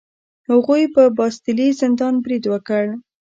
هغوی په باستیلي زندان برید وکړ.